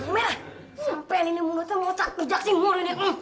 merah sampai ini bunuhnya mau cak ke jaksing murni nih